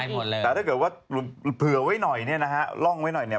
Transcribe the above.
แต่ถ้าเผลอไว้หน่อยล่องไว้หน่อย